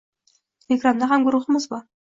Telegramda ham guruhimiz bor.